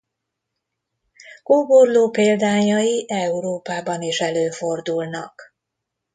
Kóborló példányai Európában is előfordulnak.